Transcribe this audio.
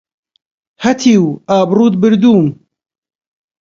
هەتیو ئابڕووت بردووم!